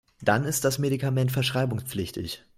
Dann ist das Medikament verschreibungspflichtig.